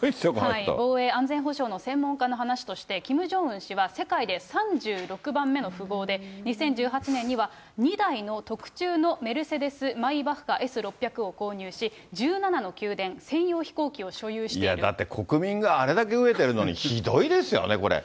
防衛・安全保障の専門家の話として、キム・ジョンウン氏は世界で３６番目の富豪で、２０１８年には２台の特注のメルセデス・マイバッハＳ６００を購入し、１７の宮殿、だって国民があれだけ飢えてるのにひどいですよね、これ。